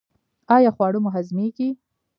ایا خواړه مو هضمیږي؟